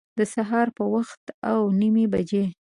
د سهار په وخت اوه نیمي بجي